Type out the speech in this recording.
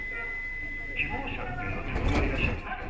希望者っていうのはどのくらいいらっしゃるんですか？